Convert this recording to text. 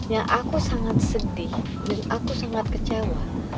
ya aku sangat sedih dan aku sangat kecewa